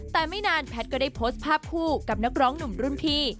แต่ไม่นานแพทย์ก็ได้โพสต์ภาพคู่กับนักร้องหนุ่มรุ่นพี่